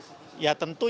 tentu ini tidak berhasil ya